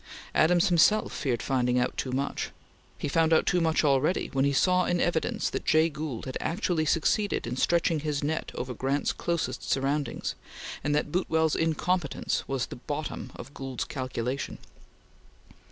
Adams himself feared finding out too much. He found out too much already, when he saw in evidence that Jay Gould had actually succeeded in stretching his net over Grant's closest surroundings, and that Boutwell's incompetence was the bottom of Gould's calculation.